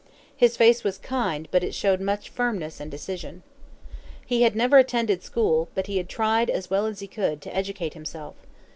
His face was kind, but it showed much firmness and decision. He had never attended school; but he had tried, as well as he could, to educate himself.